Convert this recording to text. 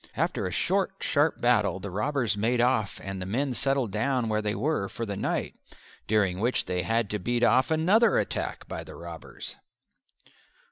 After a short, sharp battle the robbers made off and the men settled down where they were for the night, during which they had to beat off another attack by the robbers.